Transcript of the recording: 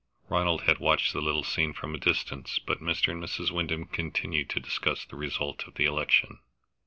Ronald had watched the little scene from a distance, but Mr. and Mrs. Wyndham continued to discuss the result of the election.